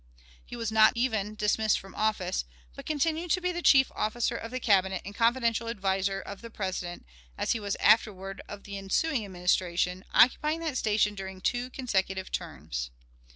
He was not even dismissed from office, but continued to be the chief officer of the Cabinet and confidential adviser of the President, as he was afterward of the ensuing Administration, occupying that station during two consecutive terms.